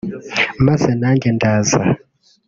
”Maze nanjye ndaza